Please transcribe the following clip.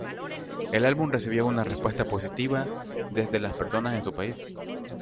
El álbum recibió una respuesta positiva desde las personas en su país.